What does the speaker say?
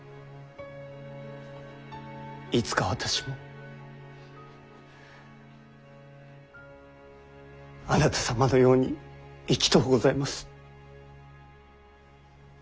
いつか私もあなた様のように生きとうございます。